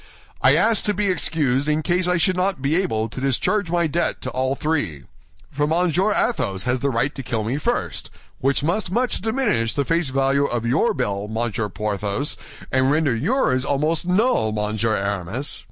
"I asked to be excused in case I should not be able to discharge my debt to all three; for Monsieur Athos has the right to kill me first, which must much diminish the face value of your bill, Monsieur Porthos, and render yours almost null, Monsieur Aramis.